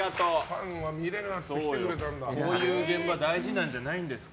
ファンはこういう場大事なんじゃないですか。